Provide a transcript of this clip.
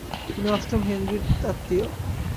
তিনি অষ্টম হেনরির আত্মীয়।